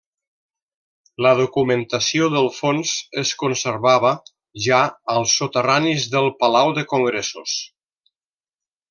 La documentació del fons es conservava ja als soterranis del Palau de congressos.